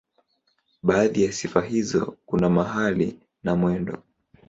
Baadhi ya sifa hizo kuna mahali na mwendo.